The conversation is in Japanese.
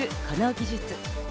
この技術。